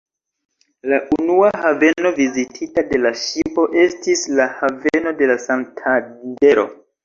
La unua haveno vizitita de la ŝipo estis la haveno de Santandero.